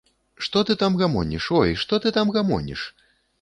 Што ты там гамоніш, ой, што ты там гамоніш?